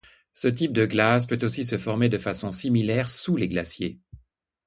Ce type de glace peut aussi se former de façon similaire sous les glaciers.